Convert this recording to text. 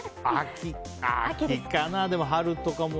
秋かなでも春とかも。